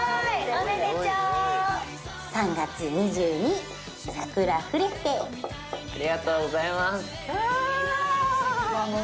おめでとう「３月２２サクラフレフレ」ありがとうございますうわ